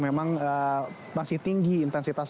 memang masih tinggi intensitas